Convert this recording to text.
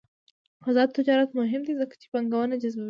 آزاد تجارت مهم دی ځکه چې پانګونه جذبوي.